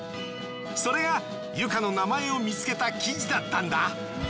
それがユカの名前を見つけた記事だったんだ。